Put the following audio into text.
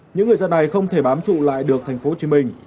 những người dân này không thể bám trụ lại được thành phố hồ chí minh